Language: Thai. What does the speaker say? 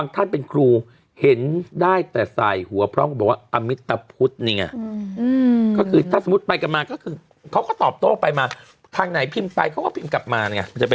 ถ้าสมมติไปกลับมาเขาก็ตอบโต้ไปมาทางไหนพิมพ์ไปเขาก็พิมพ์กลับมา